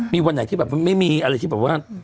มีวันไหนที่แบบมันไม่มีอะไรที่แบบว่า